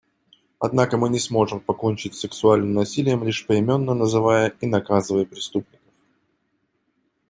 Однако мы не сможем покончить с сексуальным насилием, лишь поименно называя и наказывая преступников.